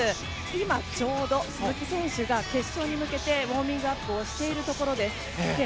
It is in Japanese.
今、ちょうど鈴木選手が決勝に向けてウォーミングアップをしているところです。